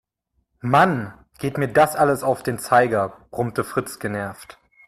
"Mann, geht mir das alles auf den Zeiger", brummte Fritz genervt.